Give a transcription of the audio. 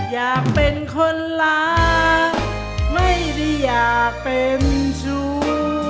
อยากเป็นคนรักไม่ได้อยากเป็นชู้